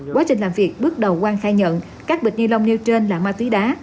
quá trình làm việc bước đầu quang khai nhận các bịch ni lông nêu trên là ma túy đá